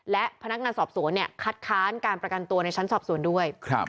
และพนักงานสอบสวนเนี่ยคัดค้านการประกันตัวในชั้นสอบสวนด้วย